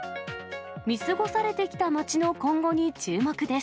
見過ごされてきた街の今後に注目です。